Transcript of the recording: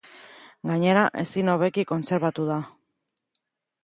Gainera, ezin hobeki kontserbatu da.